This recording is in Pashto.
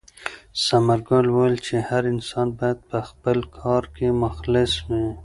ثمرګل وویل چې هر انسان باید په خپل کار کې مخلص وي.